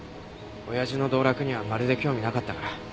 親父の道楽にはまるで興味なかったから。